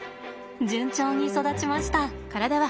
順調に育ちました。